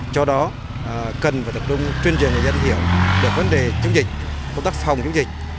cho đó cần và tập trung chuyên gia nhà dân hiểu về vấn đề chống dịch công tác phòng chống dịch